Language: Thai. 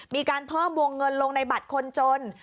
มีการเพิ่มวงเงินลงในบัตรคนจน